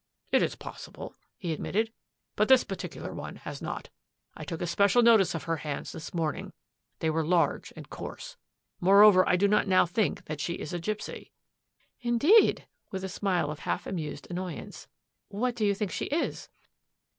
" It is possible," he admitted, " but this par ticular one has not. I took especial notice of her hands this morning; they were large and coarse. Moreover, I do not now think that she is a gipsy." " Indeed !" with a smile of half amused annoy ance. " What do you think she is